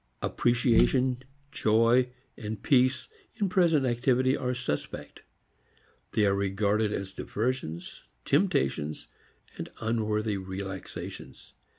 Appreciation, joy, peace in present activity are suspect. They are regarded as diversions, temptations, unworthy relaxations.